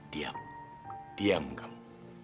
diam diam kamu